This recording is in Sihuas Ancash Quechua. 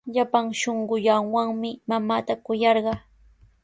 Llapan shunquuwanmi mamaata kuyarqaa.